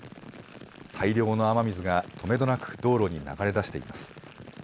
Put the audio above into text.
大量の雨水がとめどなく道路に流れ出しています。